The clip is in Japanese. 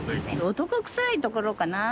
男臭いところかな。